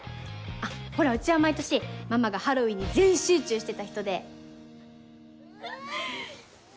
あっほらうちは毎年ママがハロウィーンに全集中してた人で。